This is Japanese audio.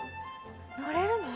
乗れるの？